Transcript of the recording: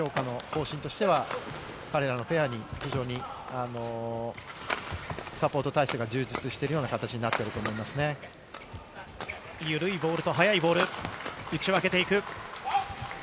なので強化の方針としては彼らのペアに非常にサポート体制が充実してるような形になっていると思ゆるいボールと速いボール打ち分けていく。